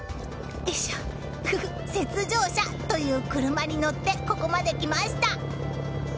雪上車という車に乗ってここまで来ました！